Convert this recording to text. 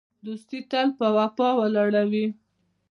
دوستي تل په وفا ولاړه وي.